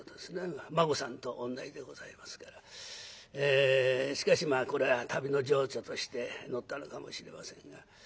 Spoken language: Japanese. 馬子さんと同じでございますからしかしまあこれは旅の情緒として乗ったのかもしれませんが。